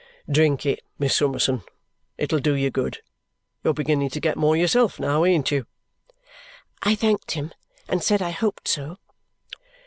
"Drink it, Miss Summerson, it'll do you good. You're beginning to get more yourself now, ain't you?" I thanked him and said I hoped so.